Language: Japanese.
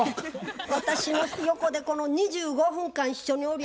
私も横でこの２５分間一緒におるやろ。